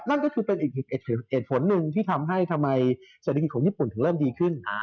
นั่นก็คือเป็นอีกเหตุผลหนึ่งที่ทำให้ทำไมเศรษฐกิจของญี่ปุ่นถึงเริ่มดีขึ้น